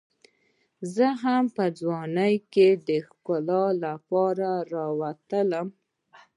زه هم په ځوانۍ کې د ښکار لپاره راتلم.